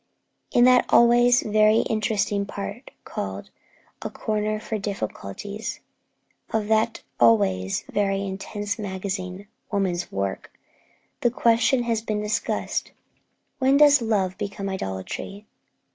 In that always very interesting part, called a 'Corner for Difficulties,' of that always very interesting magazine, Woman's Work, the question has been discussed, 'When does love become idolatry?